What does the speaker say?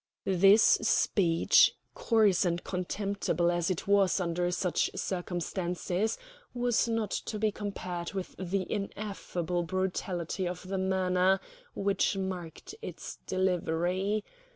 This speech, coarse and contemptible as it was under such circumstances, was not to be compared with the ineffable brutality of the manner which marked its delivery.